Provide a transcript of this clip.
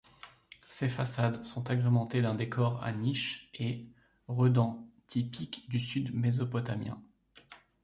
Ses façades sont agrémentées d'un décor à niche et redans typique du Sud mésopotamien.